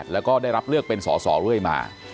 แล้วก็ได้รับเลือกเป็นสอสอเรื่อยมา